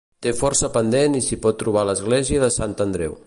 Té força pendent i s'hi pot trobar l'església de Sant Andreu.